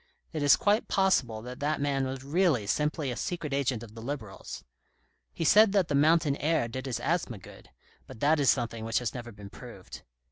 It is quite possible that that man was really simply a secret agent of the Liberals. 12 THE RED AND THE BLACK He said that the mountain air did his asthma good, but that is something which has never been proved.